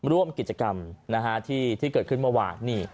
ร่วมกิจกรรมที่เกิดขึ้นเมื่อวาน